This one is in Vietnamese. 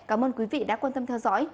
cảm ơn quý vị đã quan tâm theo dõi